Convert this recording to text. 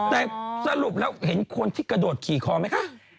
แต่สรุปแล้วเห็นคนที่กระโดดขี่คอไหมคะ